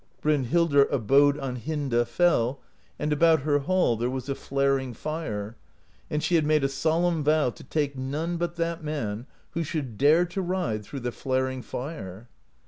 Brynhildr abode on Hinda Fell, and about her hall there was a flar ing fire; and she had made a solemn vow to take none but that man who should dare to ride through the flaring fire.